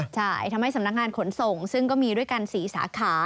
ใช่ทำให้สำนักงานขนส่งซึ่งก็มีด้วยกัน๔สาขา